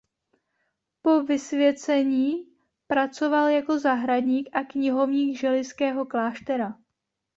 Po vysvěcení pracoval jako zahradník a knihovník Želivského kláštera.